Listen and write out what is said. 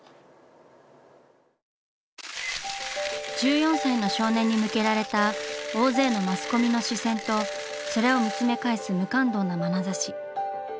１４歳の少年に向けられた大勢のマスコミの視線とそれを見つめ返す無感動なまなざし。